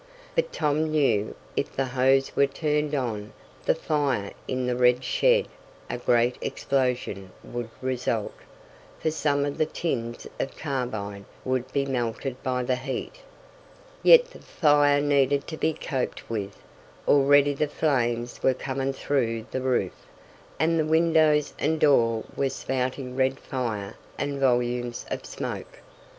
But Tom knew if the hose were turned on the fire in the red shed a great explosion would result, for some of the tins of carbide would be melted by the heat. Yet the fire needed to be coped with. Already the flames were coming through the roof, and the windows and door were spouting red fire and volumes of smoke.